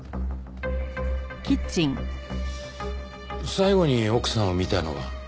最後に奥さんを見たのは？